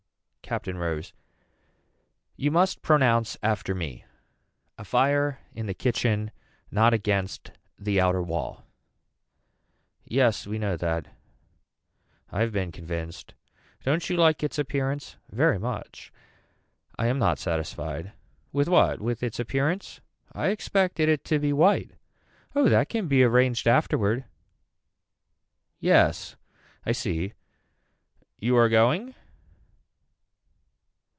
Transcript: Captain Rose. You must pronounce after me. A fire in the kitchen not against the outer wall. Yes we know that. I have been convinced. Don't you like it's appearance. Very much. I am not satisfied. With what with it's appearance. I expected it to be white. Oh that can be arranged afterward. Yes I see. You are going.